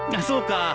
そうか。